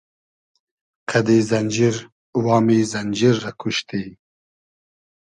قئدی زئنجیر وامی زئنجیر رۂ کوشتی